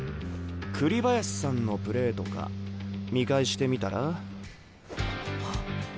栗林さんのプレーとか見返してみたら？